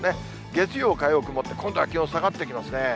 月曜、火曜曇って、今度は気温下がってきますね。